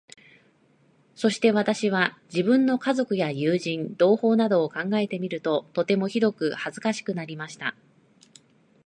そして私は、自分の家族や友人、同胞などを考えてみると、とてもひどく恥かしくなりました。